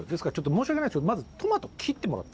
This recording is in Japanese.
申し訳ないですけどまずトマト切ってもらって。